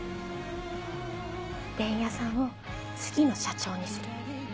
伝弥さんを次の社長にする。